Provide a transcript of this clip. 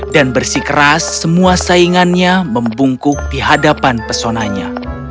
dan bersikeras semua saingannya membungkuk di hadapan pesonanya